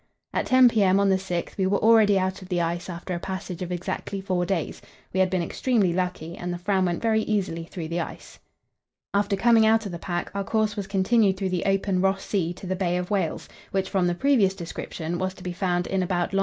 At 10 p.m. on the 6th we were already out of the ice after a passage of exactly four days; we had been extremely lucky, and the Fram went very easily through the ice. After coming out of the pack, our course was continued through the open Ross Sea to the Bay of Whales, which from the previous description was to be found in about long.